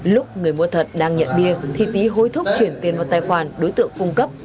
lúc người mua thật đang nhận bia thì tý hối thúc chuyển tiền vào tài khoản đối tượng cung cấp